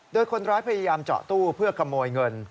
โดยคนร้ายพยายามเจาะตู้เพื่อขโมยเงิน